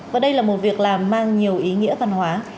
và đây là một việc làm mang nhiều ý nghĩa văn hóa